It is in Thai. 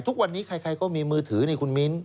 ทุกวันนี้ใครก็มีมือถือนี่คุณมิ้น